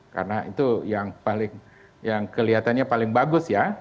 karena itu yang kelihatannya paling bagus ya